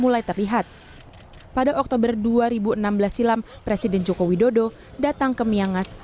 mulai terlihat pada oktober dua ribu enam belas silam presiden joko widodo datang ke miangas